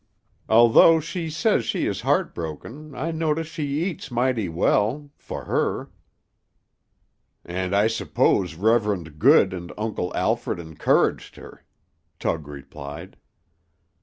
"Although she says she is heart broken, I notice she eats mighty well; for her." "And I suppose Reverend Good and Uncle Alfred encouraged her," Tug replied.